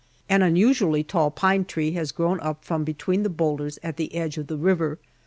An unusually tall pine tree has grown up from between the boulders at the edge of the river.